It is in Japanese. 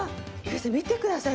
見てください